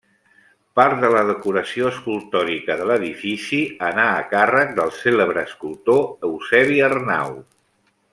Part de la decoració escultòrica de l'edifici anà a càrrec del cèlebre escultor Eusebi Arnau.